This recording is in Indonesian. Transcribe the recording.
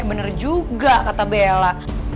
bener juga kata bella